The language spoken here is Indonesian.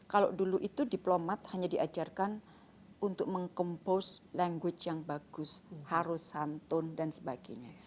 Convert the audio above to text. kalau dulu itu diplomat hanya diajarkan untuk meng compost language yang bagus harus santun dan sebagainya